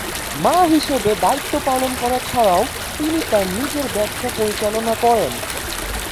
মা হিসাবে দায়িত্বপালন করা ছাড়াও তিনি তাঁর নিজের ব্যবসা পরিচালনা করেন।